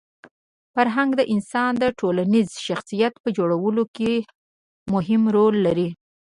فرهنګ د انسان د ټولنیز شخصیت په جوړولو کي مهم رول لري.